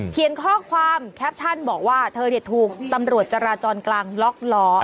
เขียนข้อความแคปชั่นบอกว่าเธอถูกตำรวจจราจรกลางล็อกล้อ